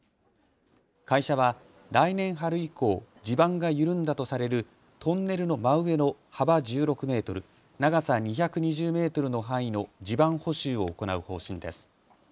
会社は来年春以降、地盤が緩んだとされるトンネルの真上の幅１６メートル、長さ２２０メートルの範囲の地盤補修を行う方針です。